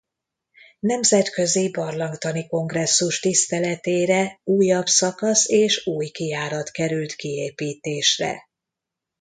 Nemzetközi Barlangtani Kongresszus tiszteletére újabb szakasz és új kijárat került kiépítésre.